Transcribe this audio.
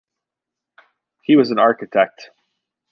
He was an architect.